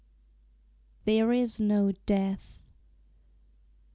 THERE IS NO DEATH.